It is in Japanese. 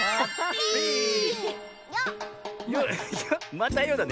また「よ」だね。